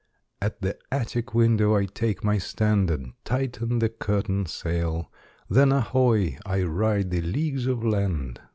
At the attic window I take my stand. And tighten the curtain sail, Then, ahoy! I ride the leagues of land.